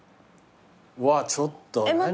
うわちょっと何？